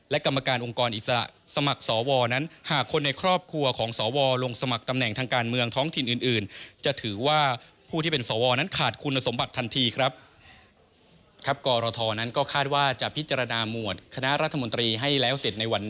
และกรรมการองค์กรอิสระสมัครส